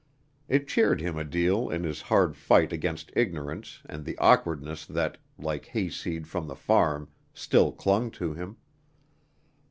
It cheered him a deal in his hard fight against ignorance and the awkwardness that, like hayseed from the farm, still clung to him.